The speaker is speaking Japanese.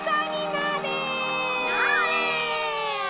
なれ！